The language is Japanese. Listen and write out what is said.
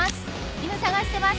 犬探してます。